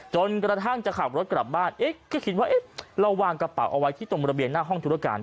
จนกระทั่งจะขับรถกลับบ้านเอ๊ะก็คิดว่าเอ๊ะเราวางกระเป๋าเอาไว้ที่ตรงระเบียงหน้าห้องธุรการ